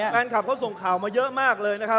แฟนคลับส่งข่าวเยอะมากเลย